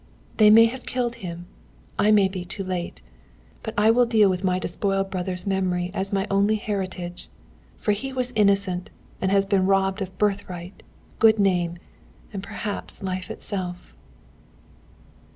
"They may have killed him. I may be too late; but I will deal with my despoiled brother's memory as my only heritage. For he was innocent, and has been robbed of birthright, good name, and perhaps life itself."